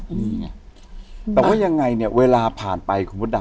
นี่ไงแต่ว่ายังไงเนี่ยเวลาผ่านไปคุณมดดำ